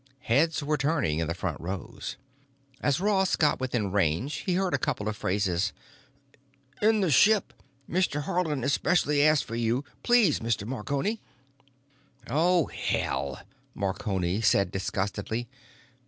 Heads were turning in the front rows. As Ross got within range he heard a couple of phrases. "——in the ship. Mr. Haarland specially asked for you. Please, Mr. Marconi!" "Oh, hell," Marconi said disgustedly.